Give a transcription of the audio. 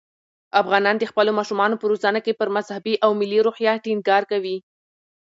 افغانان د خپلو ماشومانو په روزنه کې پر مذهبي او ملي روحیه ټینګار کوي.